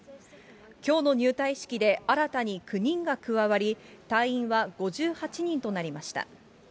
きょうの入隊式で新たに９人が加わり、隊員は５８人となりました。